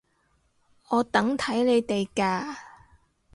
我等睇你哋㗎